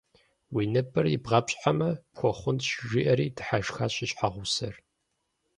- Уи ныбэр ибгъапщхьэмэ, пхуэхъунщ, - жиӏэри дыхьэшхащ и щхьэгъусэр.